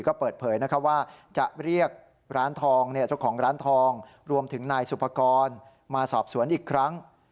ก็เปิดเผยว่าจะเรียกร้านทองเจ้าของร้านทองรวมถึงนายสุภกรมาสอบสวนอีกครั้ง